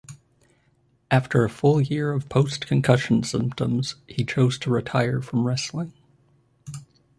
After a full year of post-concussion symptoms he chose to retire from wrestling.